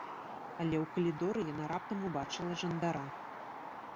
Але ў калідоры яна раптам убачыла жандара.